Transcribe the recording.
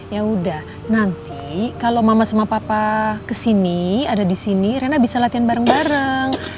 ya udah nanti kalau mama sama papa kesini ada di sini rena bisa latihan bareng bareng